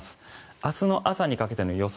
明日の朝にかけての予想